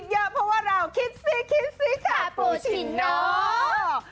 เยอะเพราะว่าเราคิดซิคิดซิคาปูชิโน